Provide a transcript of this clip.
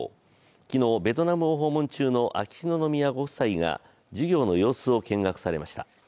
昨日、ベトナムを訪問中の秋篠宮ご夫妻が授業の様子を見学されました。